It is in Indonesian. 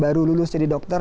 baru lulus jadi dokter